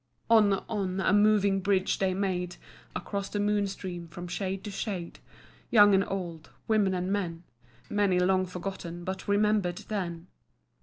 On, on, a moving bridge they made Across the moon stream, from shade to shade, Young and old, women and men; Many long forgot, but remember'd then.